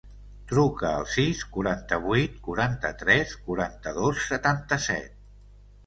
Truca al sis, quaranta-vuit, quaranta-tres, quaranta-dos, setanta-set.